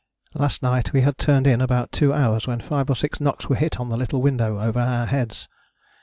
"Last night we had turned in about two hours when five or six knocks were hit on the little window over our heads.